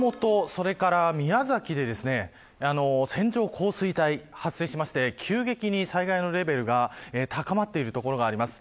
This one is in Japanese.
それから宮崎で線状降水帯が発生して急激に災害のレベルが高まっている所があります。